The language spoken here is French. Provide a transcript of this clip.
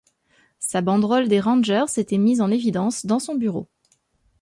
Sa banderole des Rangers était mise en évidence dans son bureau.